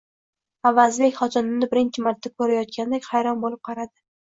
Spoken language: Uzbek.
Avazbek xotinini birinchi marta ko`rayotganday hayron bo`lib qaradi